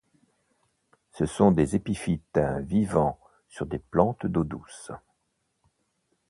Ce sont des épiphytes vivant sur des plantes d'eau douce.